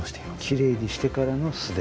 きれいにしてからの素手。